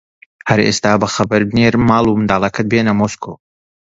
هەر ئێستا با خەبەر بنێرم ماڵ و منداڵەکەت بێنە مۆسکۆ